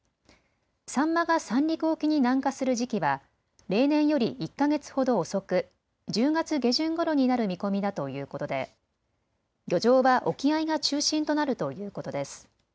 サンマが三陸沖沖に南下する時期は例年より１か月ほど遅く１０月下旬ごろになる見込みだということで漁場は沖合が中心となるということです。